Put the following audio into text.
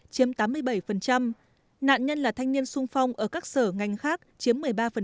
chiếm tám mươi bảy nạn nhân là thanh niên sung phong ở các sở ngành khác chiếm một mươi ba